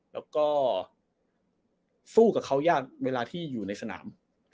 แล้วก็สู้กับเขายากเวลาที่อยู่ในสนาม